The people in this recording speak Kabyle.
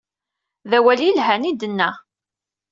D awal i yelhan i d-nenna.